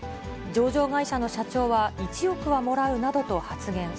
上場会社の社長は１億はもらうなどと発言。